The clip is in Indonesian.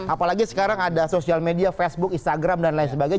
apalagi sekarang ada social media facebook instagram dan lain sebagainya